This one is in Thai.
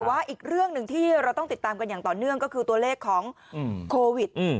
แต่ว่าอีกเรื่องหนึ่งที่เราต้องติดตามกันอย่างต่อเนื่องก็คือตัวเลขของโควิด